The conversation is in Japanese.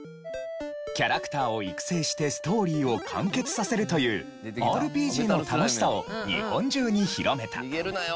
キャラクターを育成してストーリーを完結させるというＲＰＧの楽しさを日本中に広めた。